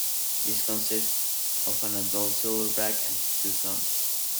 These consist of an adult silverback and his two sons.